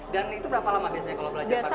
dan itu berapa lama biasanya kalau belajar partitur